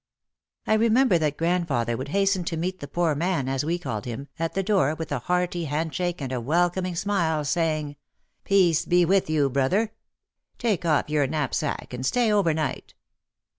I remember that grandfather would hasten to meet the poor man, as we called him, at the door with a hearty handshake and a welcoming smile, saying, "Peace be with you, brother. Take off your knapsack and stay over night."